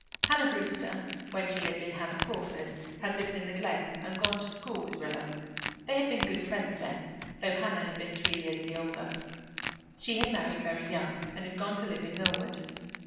Hannah Brewster, when she had been Hannah Crawford, had lived in the Glen and gone to school with Rilla. They had been good friends then, though Hannah had been three years the older. She had married very young and had gone to live in Millward.